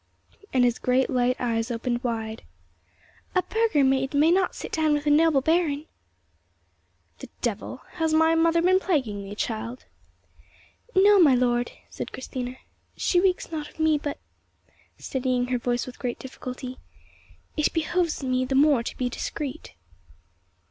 and his great light eyes opened wide. "A burgher maid may not sit down with a noble baron." "The devil! Has my mother been plaguing thee, child?" "No, my lord," said Christina, "she reeks not of me; but"—steadying her voice with great difficulty—"it behoves me the more to be discreet."